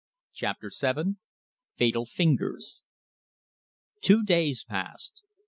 CHAPTER VII. FATAL FINGERS. Two days passed.